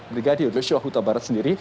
brigadir yosua huta barat sendiri